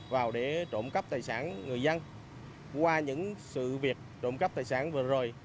vào để trộn cắp tài sản người dân qua những sự việc trộn cắp tài sản vừa rồi